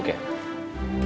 lagi sibuk ya